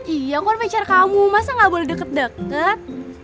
iya gue mau pacar kamu masa gak boleh deket deket